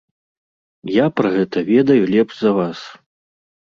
Я пра гэта ведаю лепш за вас.